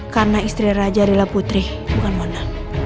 karena istri raja adalah putri bukan mona